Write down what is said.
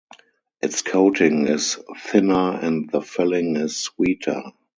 Its coating is thinner and the filling is sweeter.